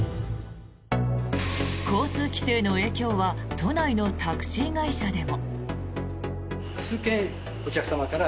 交通規制の影響は都内のタクシー会社でも。